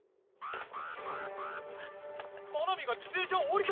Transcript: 真波が自転車を降りた。